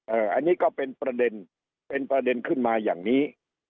อันนี้ก็เป็นประเด็นเป็นประเด็นขึ้นมาอย่างนี้